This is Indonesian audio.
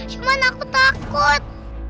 cuman aku takut